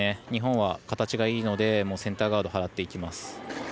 日本は形がいいのでセンターガードからいきます。